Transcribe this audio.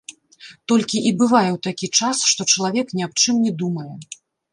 Толькі і бывае ў такі час, што чалавек ні аб чым не думае.